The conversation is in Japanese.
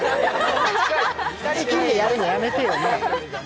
２人きりでやるのやめてよ。